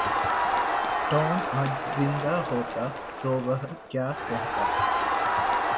Tom आज ज़िंदा होता तो वह क्या कहता?